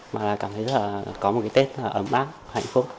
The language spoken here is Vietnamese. mà cảm thấy rất là có một cái tết ấm áp hạnh phúc